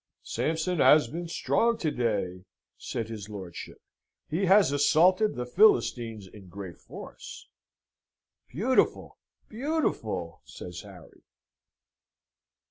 "Sampson has been strong to day," said his lordship. "He has assaulted the Philistines in great force." "Beautiful, beautiful!" says Harry.